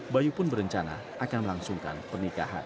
bayu pun berencana akan melangsungkan pernikahan